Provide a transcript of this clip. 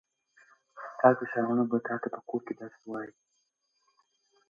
ستا کشران وروڼه به تاته په کور کې درس ووایي.